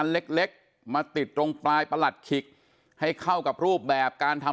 เร็กมาติดตรงปลายอาจารย์รัดขิกให้เข้ากับรูปแบบการทำ